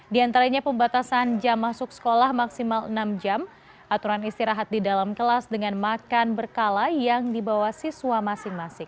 di antaranya pembatasan jam masuk sekolah maksimal enam jam aturan istirahat di dalam kelas dengan makan berkala yang dibawa siswa masing masing